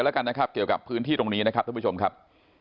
แล้วกันนะครับเกี่ยวกับพื้นที่ตรงนี้นะครับท่านผู้ชมครับ